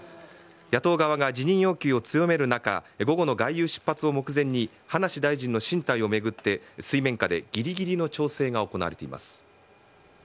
野党側が辞任要求を強める中午後の外遊出発を目前に葉梨大臣の進退を巡って水面下でぎりぎりの調整が行われています。